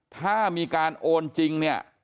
ถ้ามีการโอนจริง